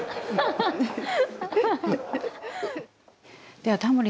ではタモリさん